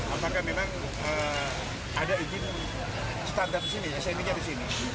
apakah memang ada izin standar di sini smi nya di sini